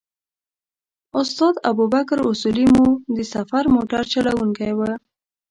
استاد ابوبکر اصولي مو د سفر موټر چلوونکی و.